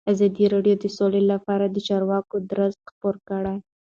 ازادي راډیو د سوله لپاره د چارواکو دریځ خپور کړی.